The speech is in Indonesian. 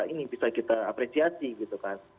ini bisa kita apresiasi gitu kan